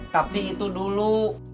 tapi itu dulu